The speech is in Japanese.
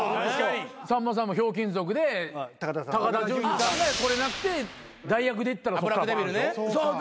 さんまさんも『ひょうきん族』で高田純次さんが来れなくて代役で行ったらそっからバーンでしょ？